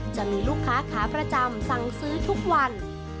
จะมีลูกค้าขาประจำสั่งซื้อทุกวัน